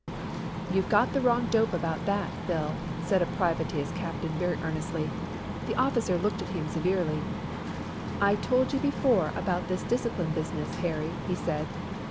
"You've got the wrong dope about that, Bill," said a private to his captain very earnestly. The officer looked at him severely. "I've told you before about this discipline business, Harry," he said.